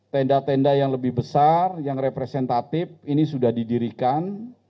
tenda tenda yang lebih besar yang representatif ini sudah didirikan